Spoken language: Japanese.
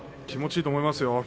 気持ちいいと思いますよ